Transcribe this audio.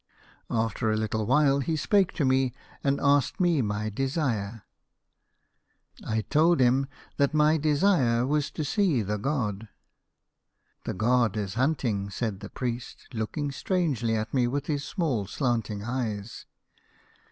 "After a little while he spake to me, and asked me my desire. " I told him that my desire was to see the £ od "' The god is hunting, said the priest, looking strangely at me with his small slanting eyes.